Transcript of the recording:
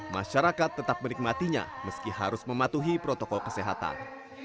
masyarakat tetap menikmatinya meski harus mematuhi protokol kesehatan